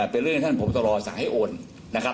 เป็นเรื่องท่านพบตรสั่งให้โอนนะครับ